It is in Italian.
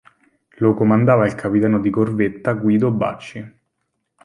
Lo comandava il capitano di corvetta Guido Bacci.